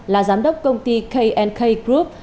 là giám đốc công ty knk group